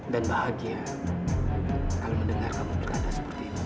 dan bahagia kalau mendengar kamu berkata seperti ini